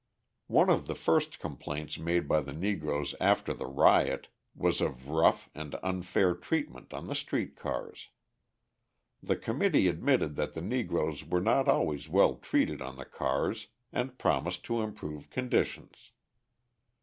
One of the first complaints made by the Negroes after the riot, was of rough and unfair treatment on the street cars. The committee admitted that the Negroes were not always well treated on the cars, and promised to improve conditions.